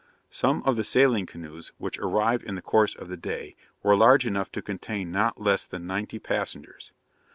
Some of the sailing canoes, which arrived in the course of the day, were large enough to contain not less than ninety passengers.